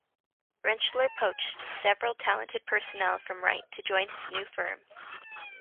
Rentschler poached several talented personnel from Wright to join his new firm.